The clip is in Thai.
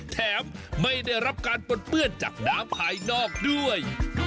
แถมไม่ได้รับการปนเปื้อนจากน้ำภายนอกด้วย